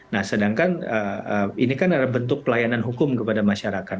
nah sedangkan ini kan ada bentuk pelayanan hukum kepada masyarakat